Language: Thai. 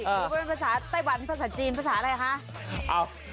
คือเป็นภาษาไต้หวันภาษาจีนภาษาอะไรคะ